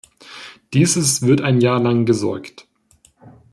Dieses wird ein Jahr lang gesäugt.